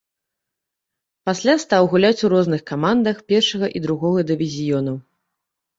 Пасля стаў гуляць у розных камандах першага і другога дывізіёнаў.